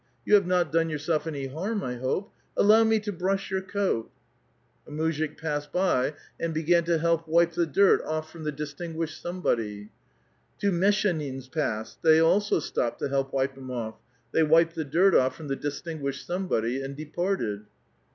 You have not done yourself any harm, I hope? Allow me to brush your coat I " A mtizhik passed by, and began to help wipe the dirt off from the distinguished somebody. Two vieHJichdains passed ; they also stopped to help wipe him off ; they wiped the dirt off from the distinguished somebody, and departed.